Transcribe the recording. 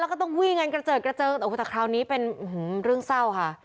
แล้วก็ต้องวิ่งกระเจิดแต่คราวนี้เป็นเรื่องเศร้าค่ะ